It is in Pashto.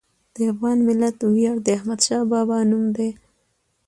د افغان ملت ویاړ د احمدشاه بابا نوم دی.